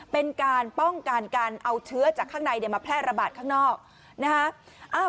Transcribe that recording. เป็นการป้องกันการเอาเชื้อจากข้างในมาแพร่ระบาดข้างนอกนะฮะ